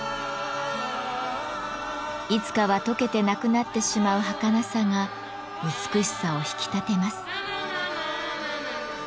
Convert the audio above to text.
いつかはとけてなくなってしまうはかなさが美しさを引き立てます。